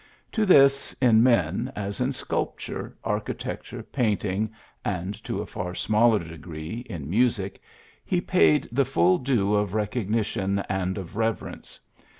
To this, in men, as in sculpture, architecture, painting, and to a far smaller degree in music, he paid the full due of recognition and of reverence.